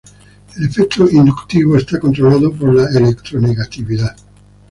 El efecto inductivo está controlado por la electronegatividad.